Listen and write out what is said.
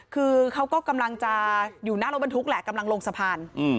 คือเขาก็กำลังจะอยู่หน้ารถบรรทุกแหละกำลังลงสะพาน